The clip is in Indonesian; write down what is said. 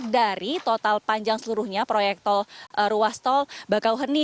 dari total panjang seluruhnya proyek tol ruas tol bakauheni